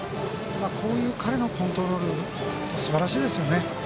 こういう彼のコントロールすばらしいですよね。